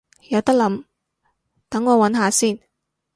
有得諗，等我搵下先